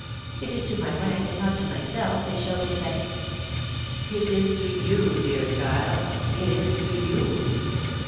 It is to my rank and not to myself they show respect." "It is to you, dear child, it is to you!"